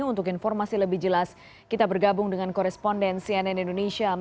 untuk informasi lebih jelas kita bergabung dengan koresponden cnn indonesia